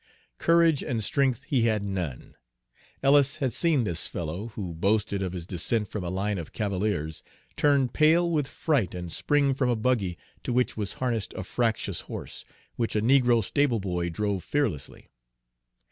Courage and strength he had none. Ellis had seen this fellow, who boasted of his descent from a line of cavaliers, turn pale with fright and spring from a buggy to which was harnessed a fractious horse, which a negro stable boy drove fearlessly.